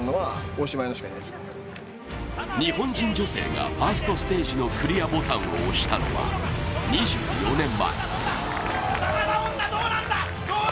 日本人女性がファーストステージのクリアボタンを押したのは２４年前。